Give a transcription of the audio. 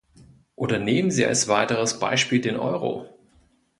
Oder nehmen Sie als weiteres Beispiel den Euro.